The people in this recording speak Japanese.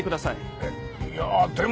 えっいやでも。